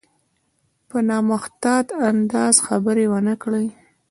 په نامحتاط انداز خبرې ونه کړي.